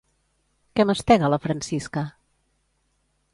Què mastega la Francisca?